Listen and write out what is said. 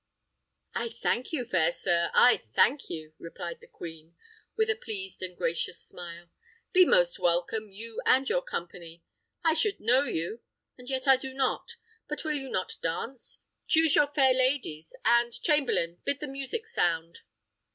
"I thank you, fair sir; I thank you," replied the queen, with a pleased and gracious smile: "be most welcome, you and your company. I should know you, and yet I do not. But will you not dance? Choose your fair ladies; and, chamberlain, bid the music sound."